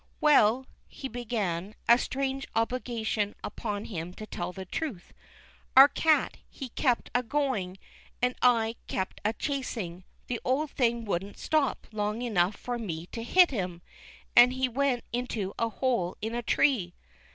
" Well," he began, a strange obligation upon him to tell the truth, " our cat, he kept a going, and I kept a chasing ; the old thing wouldn't stop long enough for me to hit him, and he went into a hole in a tree."